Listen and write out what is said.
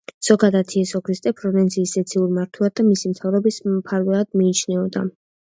ზოგადად, იესო ქრისტე ფლორენციის ზეციურ მმართველად და მისი მთავრობის მფარველად მიიჩნეოდა.